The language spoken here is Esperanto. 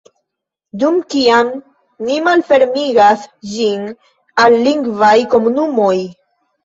Dum kiam ni malfermigas ĝin al lingvaj komunumoj